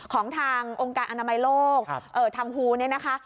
ของทางองค์การอนามัยโลกทางฮูเนี่ยนะคะ